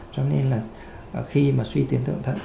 cho nên là khi mà suy tiến thượng thận